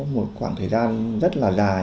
một khoảng thời gian rất là dài